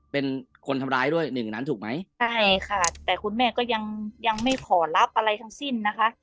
เป็นคนทำร้ายด้วยหนึ่งนั้นถูกไหมใช่ค่ะแต่คุณแม่ก็ยังยังไม่ขอรับอะไรทั้งสิ้นนะคะ